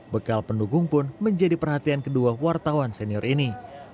bekal pendukung pun menjadi perhatian kedua wartawan senior ini